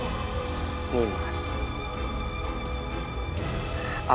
harus kau pertanyakan kembali